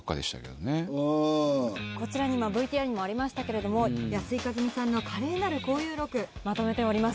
こちらに今ＶＴＲにもありましたけれども安井かずみさんの華麗なる交友録まとめております。